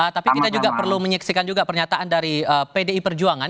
tapi kita juga perlu menyaksikan juga pernyataan dari pdi perjuangan